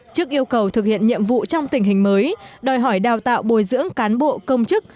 trước yêu cầu thực hiện nhiệm vụ trong tình hình mới đòi hỏi đào tạo bồi dưỡng cán bộ công chức